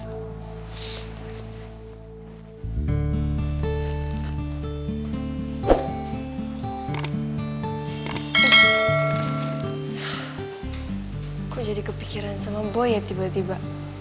aku jadi kepikiran sama boy ya tiba tiba